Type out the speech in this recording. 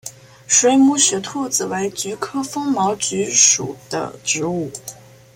水母雪兔子为菊科风毛菊属的植物。